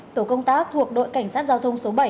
tổ công tác thuộc đội cảnh sát giao thông số bảy